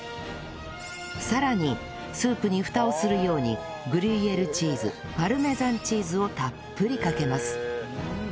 さらにスープにフタをするようにグリュイエールチーズパルメザンチーズをたっぷりかけます